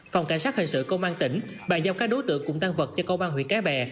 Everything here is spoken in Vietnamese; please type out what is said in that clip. phòng cảnh sát hình sự công an tỉnh bà giao các đối tượng cùng tăng vật cho công an huyện cái bè